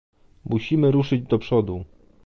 Musimy ruszyć do przodu